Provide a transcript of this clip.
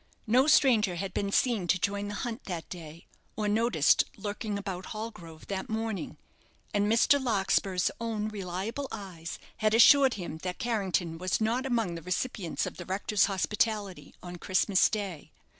No stranger had been seen to join the hunt that day, or noticed lurking about Hallgrove that morning, and Mr. Larkspur's own reliable eyes had assured him that Carrington was not among the recipients of the rector's hospitality on Christmas day.